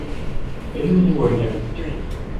Li min biborîne.